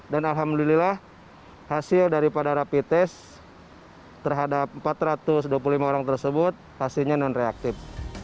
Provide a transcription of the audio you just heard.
dan alhamdulillah hasil daripada rapi tes terhadap empat ratus dua puluh lima orang tersebut hasilnya non reaktif